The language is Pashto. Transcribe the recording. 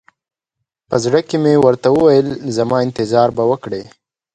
په زړه کښې مې ورته وويل زما انتظار به وکړې.